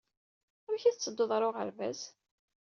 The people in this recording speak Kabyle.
Amek ay tettedduḍ ɣer uɣerbaz?